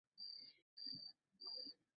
তুমি খুঁজে বের করেছো।